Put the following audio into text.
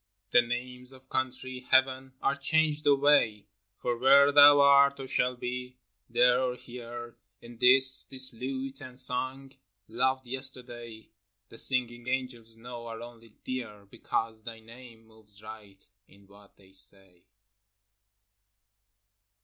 The names of country, heaven, are changed away, For where thou art or shalt be, there or here; And this — this lute and song — loved yesterday, (The singing angels know) are only dear, Because thy name moves right in what they say.